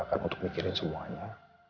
kan untuk mikirin semuanya